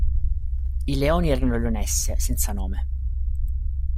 I leoni erano leonesse, senza nome.